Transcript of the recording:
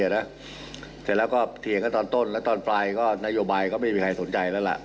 เสร็จแล้วก็เถียงกันตอนต้นแล้วตอนปลายก็นโยบายก็ไม่มีใครสนใจแล้วล่ะ